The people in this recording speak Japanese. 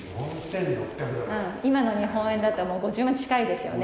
今の日本円だと、もう５０万近いですよね。